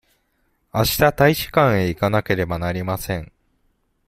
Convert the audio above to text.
あした大使館へ行かなければなりません。